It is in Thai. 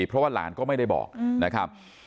เพราะว่าหลานก็ไม่ได้บอกนะครับ